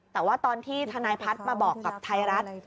แต่ว่าตอนที่ทนายพัฒน์มาบอกกับไทยรัฐ